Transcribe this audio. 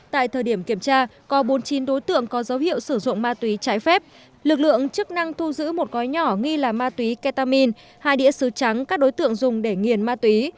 tại thời điểm kiểm tra có bốn mươi chín đối tượng có dấu hiệu sử dụng ma túy trái phép lực lượng chức năng thu giữ một gói nhỏ nghi là ma túy ketamin hai đĩa xứ trắng các đối tượng dùng để nghiền ma túy